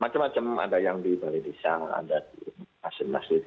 macem macem ada yang di balinisang ada di asin nas shore